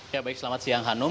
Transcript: ya baik selamat siang hanum